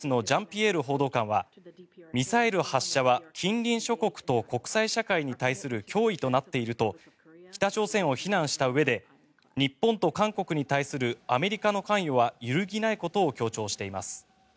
今月１９日に続く短距離弾道ミサイル発射にホワイトハウスのジャンピエール報道官はミサイル発射は近隣諸国と国際社会に対する脅威となっていると北朝鮮を非難したうえで日本と韓国に対するアメリカの関与は揺るぎないことを強調しています。